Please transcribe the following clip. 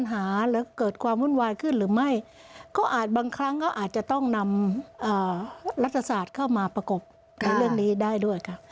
จะต้องนำลัตศาสตร์เข้ามาประกบในเรื่องนี้ได้ด้วยค่ะ